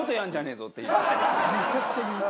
めちゃくちゃ言う。